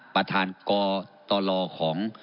ประธานกตลของ